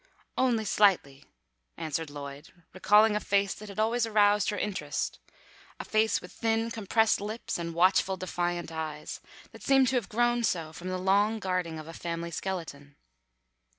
"Only slightly," answered Lloyd, recalling a face that always aroused her interest; a face with thin compressed lips and watchful defiant eyes, that seemed to have grown so from the long guarding of a family skeleton.